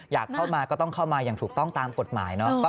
อยากเข้ามาก็ต้องเข้ามาอย่างถูกต้องตามกฎหมายเนอะ